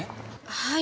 はい。